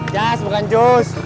jas bukan jus